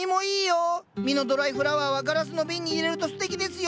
実のドライフラワーはガラスの瓶に入れるとすてきですよ。